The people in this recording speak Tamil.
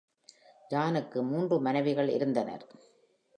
ஜானுக்கு மூன்று மனைவிகள் இருந்தனர்.